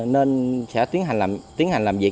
nên sẽ tiến hành làm việc